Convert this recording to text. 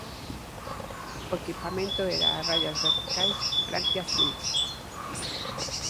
O equipamento era a raias verticais branquiazuis.